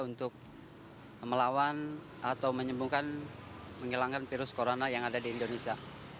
untuk melawan atau menyembuhkan menghilangkan virus corona yang ada di indonesia